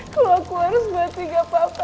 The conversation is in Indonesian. kalau aku harus mati gak apa apa